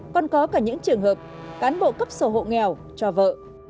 còn có cả những trường hợp cán bộ cấp sổ hộ nghèo cho vợ